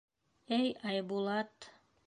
Эй, Айбулат...